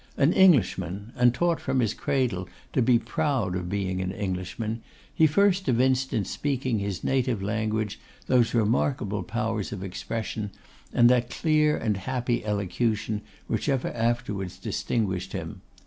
An Englishman, and taught from his cradle to be proud of being an Englishman, he first evinced in speaking his native language those remarkable powers of expression, and that clear and happy elocution, which ever afterwards distinguished him.